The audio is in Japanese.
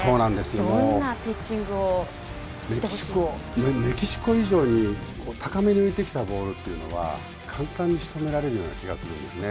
どんなピッチングをしてほしメキシコ以上に、高めに浮いてきたボールっていうのは簡単にしとめられるような気がするんですね。